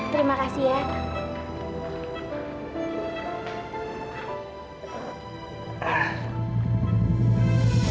terima kasih ya